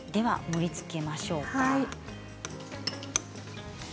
盛りつけましょう。